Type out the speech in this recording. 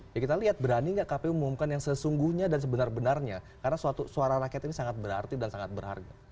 ya kita lihat berani nggak kpu mengumumkan yang sesungguhnya dan sebenar benarnya karena suara rakyat ini sangat berarti dan sangat berharga